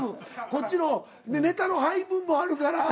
こっちのネタの配分もあるから。